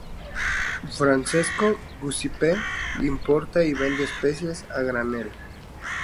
Francesco Giuseppe importa y vende especias a granel.